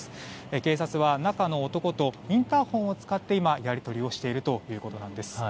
警察は、中の男とインターフォンを使って今、やり取りをしているということです。